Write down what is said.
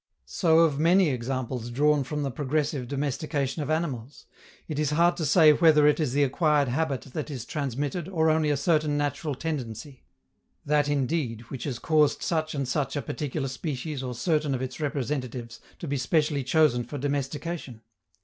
So of many examples drawn from the progressive domestication of animals: it is hard to say whether it is the acquired habit that is transmitted or only a certain natural tendency that, indeed, which has caused such and such a particular species or certain of its representatives to be specially chosen for domestication.